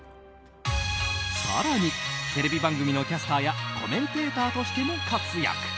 更に、テレビ番組のキャスターやコメンテーターとしても活躍。